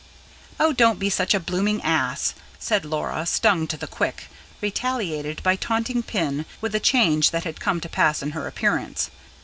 "Oh, don't be such a blooming ass!" and Laura, stung to the quick, retaliated by taunting Pin with the change that had come to pass in her appearance.